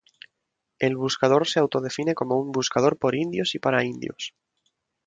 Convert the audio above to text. El buscador se autodefine como un buscador por indios y para indios.